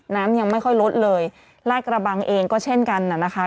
น้ำยังไม่ค่อยลดเลยลาดกระบังเองก็เช่นกันน่ะนะคะ